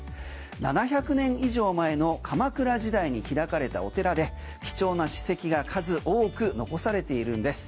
７００年以上前の鎌倉時代に開かれたお寺で貴重な史跡が数多く残されているんです。